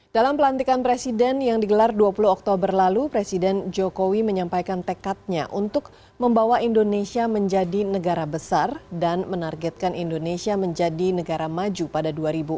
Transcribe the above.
dalam pelantikan presiden yang digelar dua puluh oktober lalu presiden jokowi menyampaikan tekadnya untuk membawa indonesia menjadi negara besar dan menargetkan indonesia menjadi negara maju pada dua ribu empat puluh